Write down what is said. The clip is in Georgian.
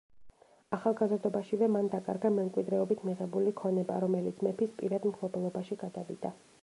ახალგაზრდობაშივე მან დაკარგა მემკვიდრეობით მიღებული ქონება, რომელიც მეფის პირად მფლობელობაში გადავიდა.